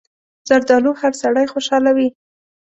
زردالو هر سړی خوشحالوي.